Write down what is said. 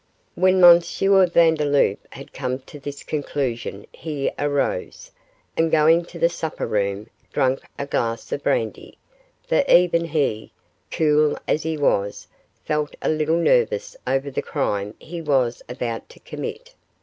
When M. Vandeloup had come to this conclusion he arose, and, going to the supper room, drank a glass of brandy; for even he, cool as he was, felt a little nervous over the crime he was about to commit.